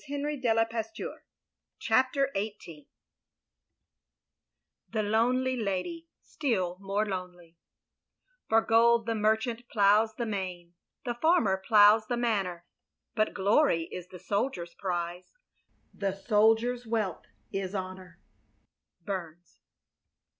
"He was nothing to you, " CHAPTER XVIII THE LONELY LADY STILL MORE LONELY " For gold the merchant ploughs the main, The farmer ploughs the manor. But glory is the soldier's prize, The soldier's wealth is honour/i Burns.